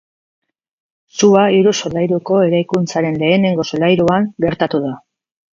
Sua hiru solairuko eraikuntzaren lehenengo solairuan gertatu da.